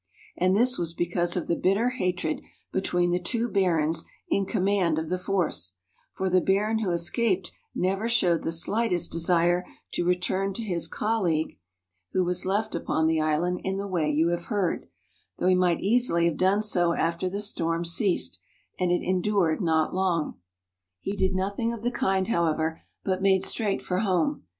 And this was because of the bitter hatred between the two barons in command of the force ; for the baron who escaped never showed the slightest desire to return to his colleague who VOL. VI. — I THE EARLY EXPLORERS 3 was left upon the island in the way you have heard, though he might easily have done so after the storm ceased, and it endured not long. He did nothing of the kind, however, but made straight for home.